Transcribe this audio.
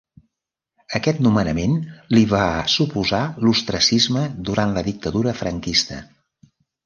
Aquest nomenament li va suposar l'ostracisme durant la dictadura franquista.